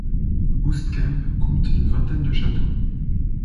Oostkamp compte une vingtaine de châteaux.